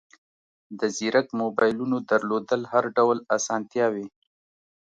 د زیرک موبایلونو درلودل هر ډول اسانتیاوې